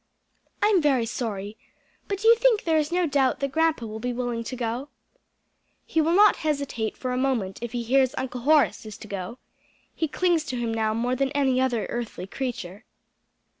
"I'm very sorry. But you think there is no doubt that grandpa will be willing to go?" "He'll not hesitate a moment if he hears Uncle Horace is to go. He clings to him now more than to any other earthly creature."